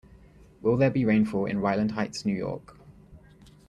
Will there be rainfall in Ryland Heights New York?